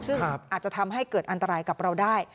ซึ่งอาจจะทำให้เกิดอันตรายกับเราได้